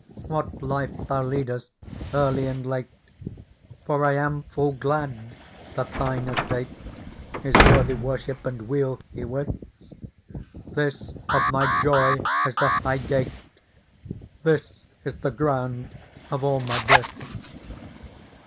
What life thou leadest early and late. For I am full glad that thine estate Is worthy worship and weal, ywis : This of my joy is the high gate, This is the ground of all my bliss."